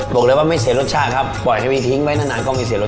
บอกเลยว่าไม่เสียรสชาติครับปล่อยให้มีทิ้งไว้นานก็มีเสียรส